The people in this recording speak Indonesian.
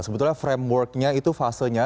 sebetulnya frameworknya itu fasenya